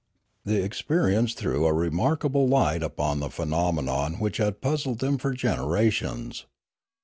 The experience threw a remarkable light upon a phenomenon which had puzzled them for generations.